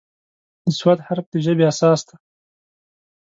د "ص" حرف د ژبې اساس دی.